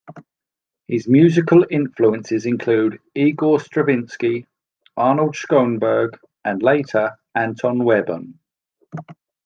His musical influences include Igor Stravinsky, Arnold Schoenberg, and later Anton Webern.